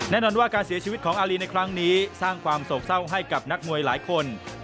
แน่นอนว่าการเสียชีวิตของอารีในครั้งนี้สร้างความโศกเศร้าให้กับนักมวยหลายคน